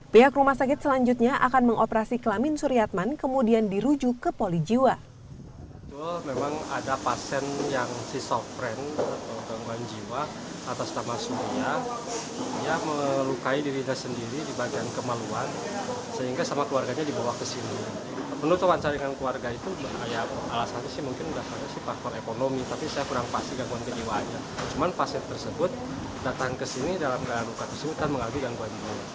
pihak rumah sakit selanjutnya akan mengoperasi kelamin suriatman kemudian dirujuk ke poli jiwa